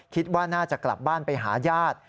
คิดว่าน่าจะกลับบ้านไปหาญาติ